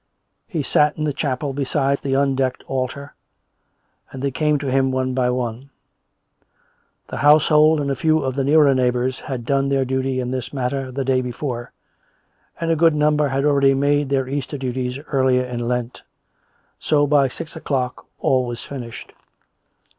He sat in the chapel beside the undecked altar, and they came to him one by one. The household and a few of the nearer neigh bours had done their duty in this matter the day before, and a good number had already made their Easter duties earlier in Lent; so by six o'clock all was finished.